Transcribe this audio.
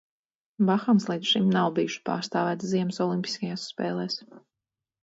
Bahamas līdz šim nav bijušas pārstāvētas ziemas olimpiskajās spēlēs.